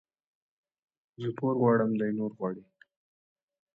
زه پور غواړم ، دى نور غواړي.